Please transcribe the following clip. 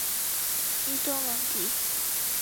伊多芒迪。